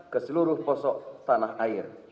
ke seluruh posok tanah air